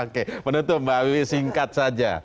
oke menutup mbak wiwi singkat saja